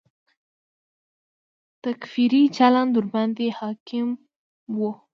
تکفیري چلند ورباندې حاکم و.